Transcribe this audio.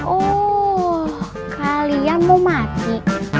oh kalian mau mati